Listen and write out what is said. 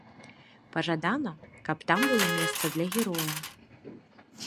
Пажадана, каб там было месца для героя.